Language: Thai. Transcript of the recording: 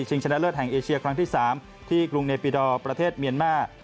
ชนะเลิศแห่งเอเชียครั้งที่๓ที่กรุงเนปิดอร์ประเทศเมียนมาร์